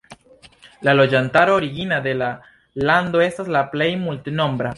La loĝantaro origina de la lando estas la plej multnombra.